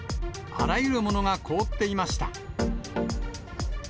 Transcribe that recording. あらゆるものが凍っていました。